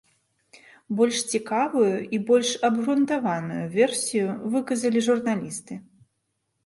Больш цікавую, і больш абгрунтаваную версію выказалі журналісты.